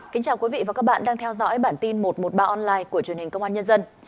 kính chào quý vị và các bạn đang theo dõi bản tin một trăm một mươi ba online của truyền hình công an nhân dân